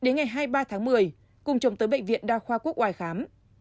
ngày hai mươi ba tháng một mươi cùng chồng tới bệnh viện đa khoa quốc ngoài khám